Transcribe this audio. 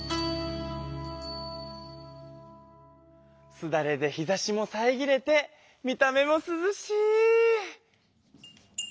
すだれで日ざしもさえぎれて見た目もすずしい！